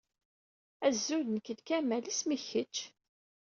Azul, nekk d Kamal. Isem-ik kečč?